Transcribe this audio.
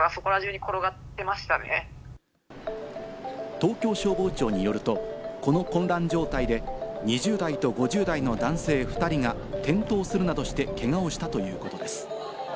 東京消防庁によると、この混乱状態で２０代と５０代の男性２人が転倒するなどしてけがをしたということです。